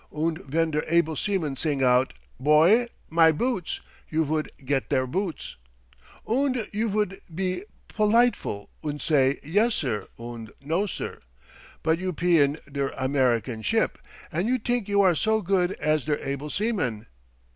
Und ven der able seaman sing out, 'Boy, my boots!' you vood get der boots. Und you vood pe politeful, und say 'Yessir' und 'No sir.' But you pe in der American ship, and you t'ink you are so good as der able seamen.